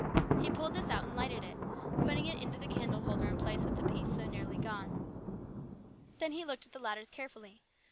He pulled this out and lighted it, putting it in the candle holder in place of the piece so nearly gone. Then he looked at the ladders carefully.